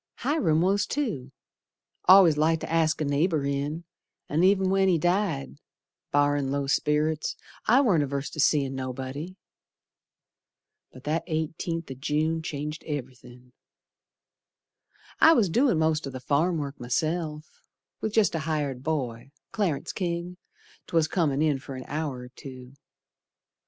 Hiram was too, Al'ays liked to ask a neighbor in, An' ev'n when he died, Barrin' low sperrits, I warn't averse to seein' nobody. But that eighteenth o' June changed ev'rythin'. I was doin' most o' th' farmwork myself, With jest a hired boy, Clarence King, 'twas, Comin' in fer an hour or two.